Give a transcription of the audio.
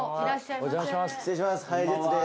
お邪魔します。